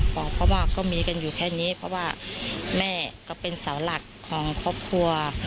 เพราะว่าก็มีกันอยู่แค่นี้เพราะว่าแม่ก็เป็นเสาหลักของครอบครัว